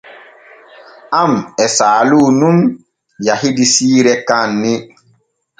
An e Saalu nun yahidi siire kaanni.